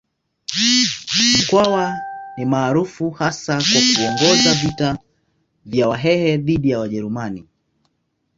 Mkwawa ni maarufu hasa kwa kuongoza vita vya Wahehe dhidi ya Wajerumani.